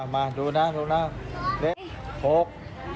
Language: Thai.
มาดูนะเลข๖